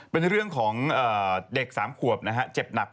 เป็นเรื่องของเด็ก๓ขวบนะฮะ